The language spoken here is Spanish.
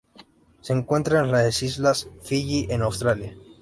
Se encuentra en las islas Fiyi en Australia.